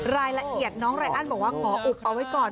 รายละเอียดน้องไรอันบอกว่าขออุบเอาไว้ก่อน